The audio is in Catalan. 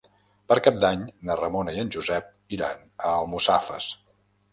Per Cap d'Any na Ramona i en Josep iran a Almussafes.